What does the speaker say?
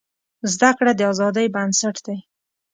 زده کړه د ازادۍ بنسټ دی.